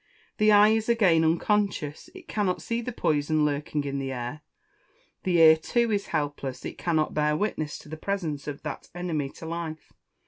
The eye is again unconscious it cannot see the poison lurking in the air. The ear, too, is helpless; it cannot bear witness to the presence of that enemy to life.